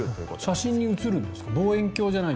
写真に写るんですか？